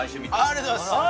ありがとうございます！